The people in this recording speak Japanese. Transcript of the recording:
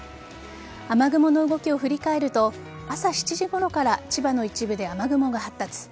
雨雲の動きを振り返ると朝７時ごろから千葉の一部で雨雲が発達。